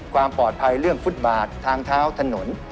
ความปลอดภัยเรื่องฟุตบาททางเท้าถนน